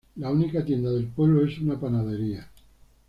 La única tienda del pueblo es una panadería.